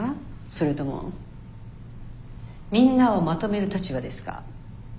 それともみんなをまとめる立場ですか？